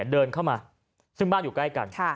เดินเข้ามาซึ่งบ้านอยู่ใกล้กัน